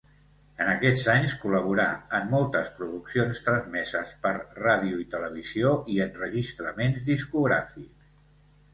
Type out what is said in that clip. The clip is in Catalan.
En aquests anys col·laborà en moltes produccions transmeses per ràdio i televisió i enregistraments discogràfics.